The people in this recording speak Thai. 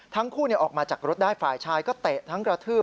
ทั้งคู่ออกมาจากรถได้ฝ่ายชายก็เตะทั้งกระทืบ